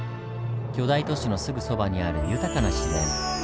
巨大都市のすぐそばにある豊かな自然。